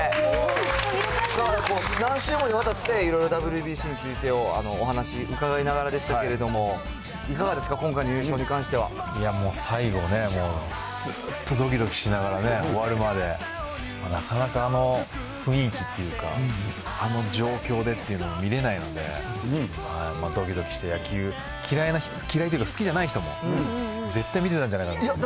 何週にもわたっていろいろＷＢＣについてお話伺いながらでしたけれども、いかがですか、今回いや、もう最後ね、もうずっとどきどきしながらね、終わるまで、なかなかあの雰囲気っていうか、あの状況でっていうの見れないので、どきどきして野球、嫌いというか、好きじゃない人も絶対見てたんじゃないかなと思って。